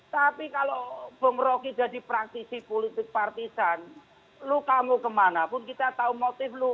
tapi kalau bung roky jadi praktisi politik partisan kamu kemana pun kita tahu motif kamu